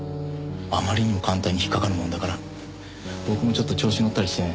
あまりにも簡単に引っかかるもんだから僕もちょっと調子にのったりしてね。